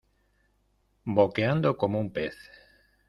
boqueando como un pez.